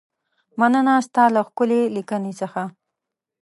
مننه ستا له ښکلې لیکنې څخه.